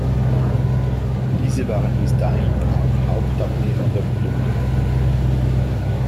Diese waren bis dahin auch Hauptabnehmer der Produkte.